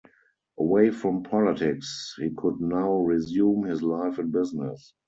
Away from politics, he could now resume his life in business.